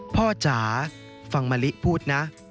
จ๋าฟังมะลิพูดนะ